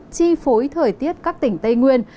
chi phối thời tiết các tỉnh tây nguyên